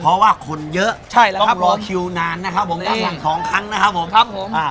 เพราะว่าคนเยอะต้องรอคิวนานนะครับผมกำลัง๒ครั้งนะครับผม